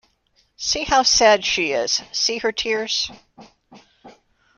See how sad she is, see her tears?